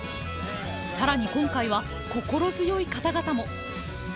さらに今回は心強い方々も。